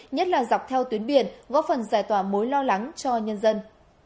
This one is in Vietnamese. nhất là dọc theo tuyến biển góp phần giải tỏa mối lo lắng cho nhân dân